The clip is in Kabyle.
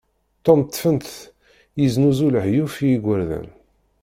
Tom ṭṭfen-t yeznuzu lehyuf i igerdan.